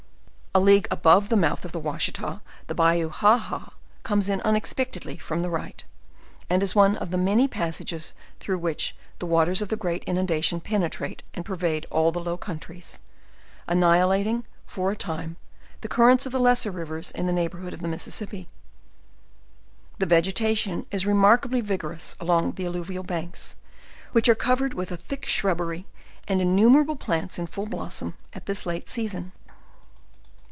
A league above the mouth of the Washita, the Bayou Haha comes in unexpect edly from the right, and is one of the many passages through which the waters of the great inundation penetrate and per vade all the low countries, annihilating, for a time, the cur rents of the lesser rivers in the neighborhood of the Missis sippi. The vegetation is remarkably vigorous along the al luvial banks, which are covered with a thick shrubbery, and innumerable plants in full blossom at this late season.